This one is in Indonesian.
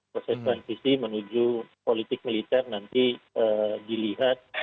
proses transisi menuju politik militer nanti dilihat